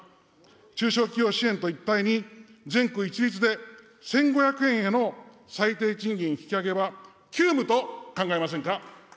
中小企業支援と一体に、全国一律で１５００円への最低賃金引き上げは急務と考えませんか。